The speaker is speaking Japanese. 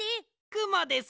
くもです